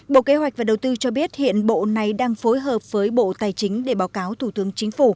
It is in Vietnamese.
bộ kế hoạch và đầu tư cho biết hiện bộ này đang phối hợp với bộ tài chính để báo cáo thủ tướng chính phủ